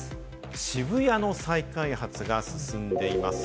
渋谷の再開発が進んでいます。